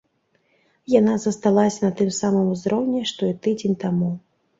Яна засталася на тым самым узроўні, што і тыдзень таму.